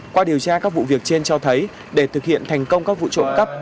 qua điều tra các vụ việc trên cho thấy để thực hiện thành công các vụ trộm cắp